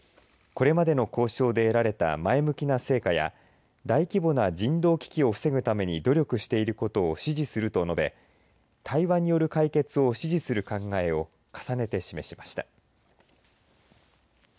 これまでの交渉で得られた前向きな成果や大規模な人道危機を防ぐために努力していることを支持すると述べ対話による解決を支持する考えを重ねて示しました。